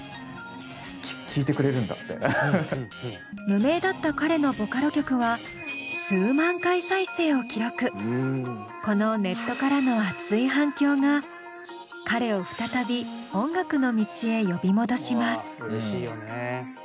無名だった彼のボカロ曲はこのネットからの熱い反響が彼を再び音楽の道へ呼び戻します。